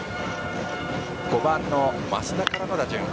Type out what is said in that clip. ５番の増田からの打順。